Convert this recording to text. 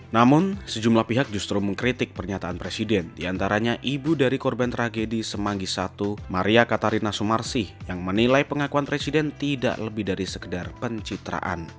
namun sejumlah pihak justru mengkritik pernyataan presiden diantaranya ibu dari korban tragedi semanggi i maria katarina sumarsih yang menilai pengakuan presiden tidak lebih dari sekedar pencitraan